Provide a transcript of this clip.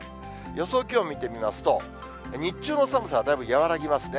予想気温見てみますと、日中の寒さはだいぶ和らぎますね。